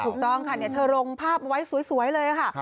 ถูกต้องค่ะเธอลงภาพเอาไว้สวยเลยค่ะ